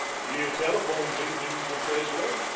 "You telephoned him, didn't you, Presley?"